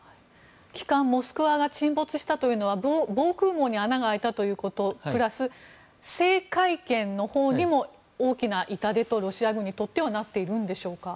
旗艦「モスクワ」が沈没したというのは防空壕に穴が開いたことプラス制海権のほうにも大きな痛手というふうにロシア軍にとってはなっているんでしょうか。